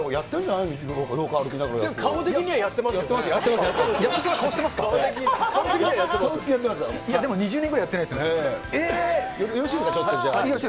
いやでも２０年ぐらいやってないですよ。